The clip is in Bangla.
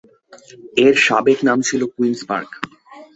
এর সাবেক নাম ছিল কুইন্স পার্ক।